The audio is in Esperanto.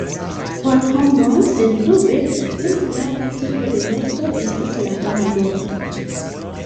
Por homoj, sendube la plej grava tipo de morto estas la homa morto.